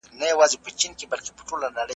ټولنه د فرهنګي توپیرونو له لارې پرمختګ کوي.